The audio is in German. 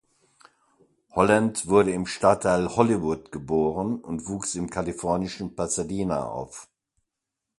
Holland wurde im Stadtteil Hollywood geboren und wuchs im kalifornischen Pasadena auf.